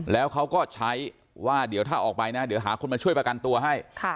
แล้วเขาก็ใช้ว่าเดี๋ยวถ้าออกไปนะเดี๋ยวหาคนมาช่วยประกันตัวให้